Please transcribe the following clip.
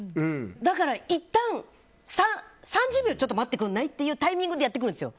だから、いったん３０秒ちょっと待ってくれない？っていうタイミングでやってくるんですよ。